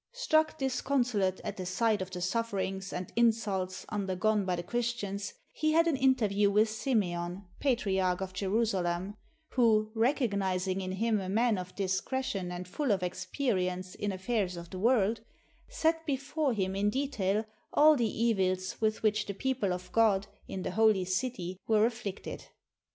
Struck discon solate at the sight of the sufferings and insults undergone by the Christians, he had an interview with Simeon, pa triarch of Jerusalem, who "recognizing in him a man of discretion and full of experience in affairs of the world, set before him in detail all the evils with which the people of God, in the holy city, were afflicted.